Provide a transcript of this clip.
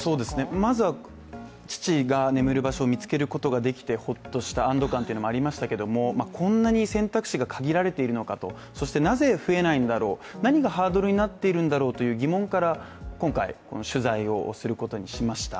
まずは父が眠る場所を見つけることができてホッとできた、安堵感というのもありましたが、こんなに選択肢が限られるのか、何がハードルになっているんだろうという疑問から今回取材をすることにしました。